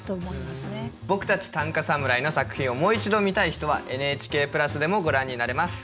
僕たち「短歌侍」の作品をもう一度見たい人はＮＨＫプラスでもご覧になれます。